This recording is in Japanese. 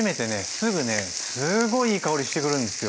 すぐねすごいいい香りしてくるんですよ。